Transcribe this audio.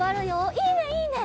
いいねいいね！